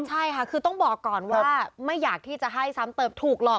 ใช่ค่ะคือต้องบอกก่อนว่าไม่อยากที่จะให้ซ้ำเติมถูกหลอก